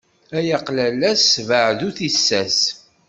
Ay aqlalas ssbeɛ bu tissas.